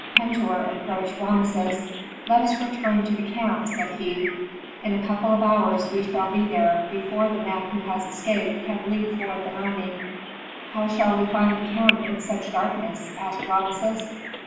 Pentuer approached Rameses, "Let us return to the camp," said he. "In a couple of hours we shall be there, before the man who has escaped can lead forth an enemy." "How shall we find the camp in such darkness?" asked Rameses.